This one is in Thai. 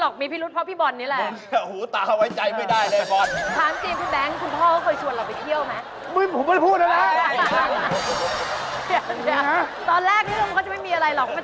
คุณพ่อหรอคะ